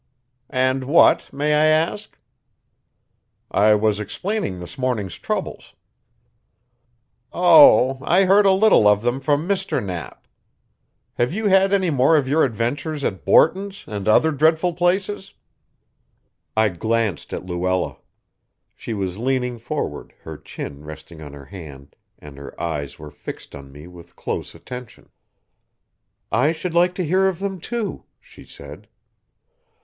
"And what, may I ask?" "I was explaining this morning's troubles." "Oh, I heard a little of them from Mr. Knapp. Have you had any more of your adventures at Borton's and other dreadful places?" I glanced at Luella. She was leaning forward, her chin resting on her hand, and her eyes were fixed on me with close attention. "I should like to hear of them, too," she said.